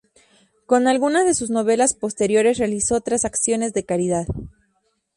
Con algunas de sus novelas posteriores realizó otras acciones de caridad.